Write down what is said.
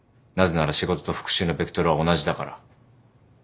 なぜなら仕事と復讐のベクトルは同じだから。